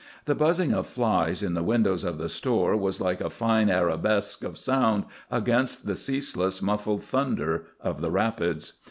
The buzzing of flies in the windows of the store was like a fine arabesque of sound against the ceaseless, muffled thunder of the rapids.